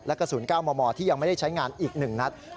และกระสุน๙มมที่ยังไม่ได้ใช้งานอีกหนึ่งนะครับ